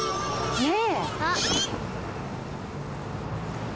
ねえ。